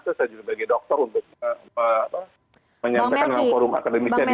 saya juga sebagai dokter untuk menyampaikan forum akademisnya di mkek